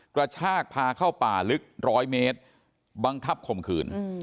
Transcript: กระชากพาเข้าป่าลึกร้อยเมตรบังคับข่มขืน